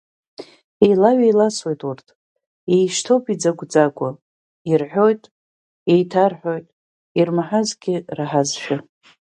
Еилаҩеиласуеит урҭ, еишьҭоуп иӡагәӡагәуа, ирҳәоит, еиҭарҳәоит ирмаҳазгьы раҳазшәа.